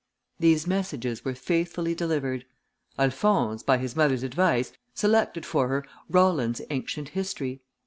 These messages were faithfully delivered. Alphonse, by his mother's advice, selected for her, Rollin's Ancient History.